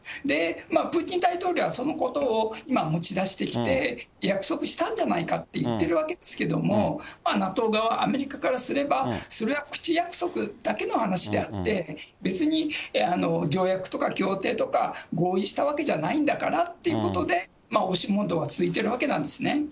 プーチン大統領はそのことを今持ち出してきて、約束したんじゃないかって言ってるわけなんですけれども、ＮＡＴＯ側はアメリカからすれば、それは口約束だけの話であって、別に条約とか協定とか、合意したわけじゃないんだからということで、押し問答が続いているわけなんですね。